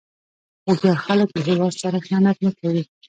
هوښیار خلک له هیواد سره خیانت نه کوي.